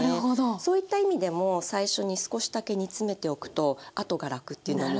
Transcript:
そういった意味でも最初に少しだけ煮つめておくと後が楽ってなる。